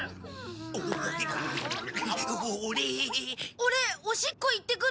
オレおしっこ行ってくる。